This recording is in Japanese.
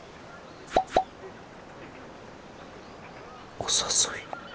お誘い。